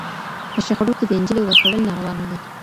په شخړو کي د نجلۍ ورکول ناروا عمل دی